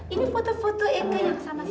ini foto foto eka yang sama si doki